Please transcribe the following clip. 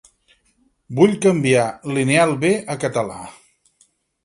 Vull canviar Lineal B a català.